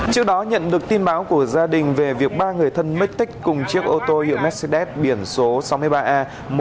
trước đó nhận được tin báo của gia đình về việc ba người thân mất tích cùng chiếc ô tô hiệu mercedes biển số sáu mươi ba a một mươi một nghìn một trăm sáu mươi chín